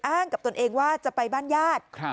อ้างกับตนเองว่าจะไปบ้านญาติ